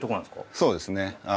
そうですね。